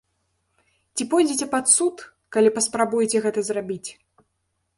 Ці пойдзеце пад суд, калі паспрабуеце гэта зрабіць!